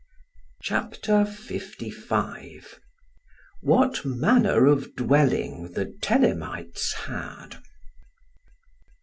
Chapter 1.LV. What manner of dwelling the Thelemites had.